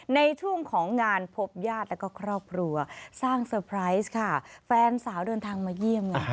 ในท่วงของงานพบญาติและก็ครอบครัวสร้างค่ะแฟนสาวเดินทางมาเยี่ยม